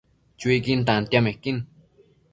Chuiquin tantiamequin